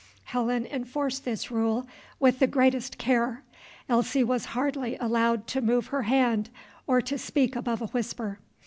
Helen enforced this rule with the greatest care. Elsie was hardly allowed to move her hand or to speak above a whisper.